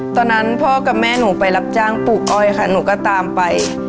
ตอนนั้นพ่อกับแม่หนูไปรับจ้างปลูกอ้อยค่ะหนูก็ตามไป